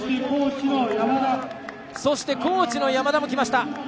そして、高知の山田もきました。